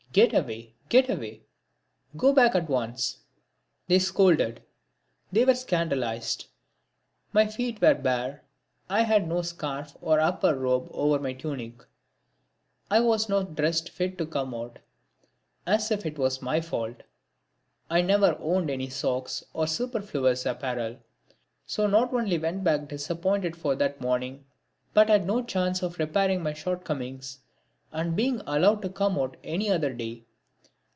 "Get away, get away, go back at once!" they scolded. They were scandalised. My feet were bare, I had no scarf or upper robe over my tunic, I was not dressed fit to come out; as if it was my fault! I never owned any socks or superfluous apparel, so not only went back disappointed for that morning, but had no chance of repairing my shortcomings and being allowed to come out any other day.